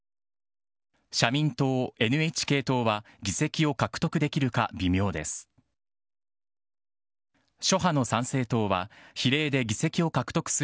社民党、ＮＨＫ党は議席を獲得できるか微妙です。